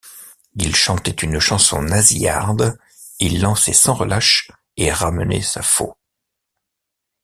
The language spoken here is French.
Il chantait une chanson nasillarde, il lançait sans relâche et ramenait sa faulx.